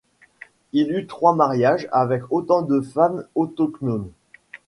Il eut trois mariages avec autant de femmes autochtones.